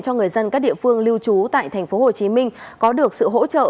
cho người dân các địa phương lưu trú tại tp hcm có được sự hỗ trợ